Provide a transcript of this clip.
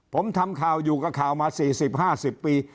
ผมทำข่าวอยู่กับข่าวมา๔๐๕๐ปี